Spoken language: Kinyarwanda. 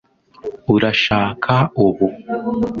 urashaka ubu